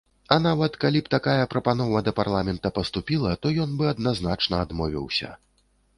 А нават калі б такая прапанова да парламента паступіла, то ён бы адназначна адмовіўся.